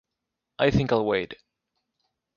I think I’ll wait.